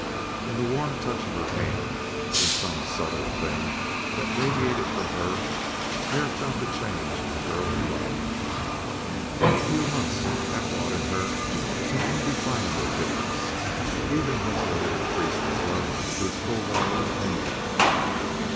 In the warm touch of her hand, in some subtle thing that radiated from her Hare felt a change in the girl he loved. A few months had wrought in her some indefinable difference, even as they had increased his love to its full volume and depth.